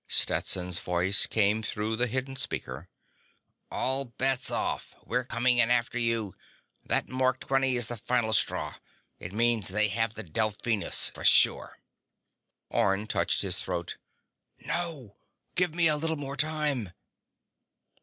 Stetson's voice came through the hidden speaker: "All bets off. We're coming in after you. That Mark XX is the final straw. It means they have the Delphinus for sure!" Orne touched his throat. _"No! Give me a little more time!"